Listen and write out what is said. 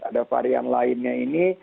ada varian lainnya ini